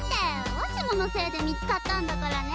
わしものせいで見つかったんだからね。